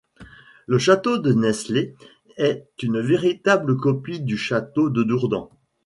Le château de Nesles est une véritable copie du château de Dourdan.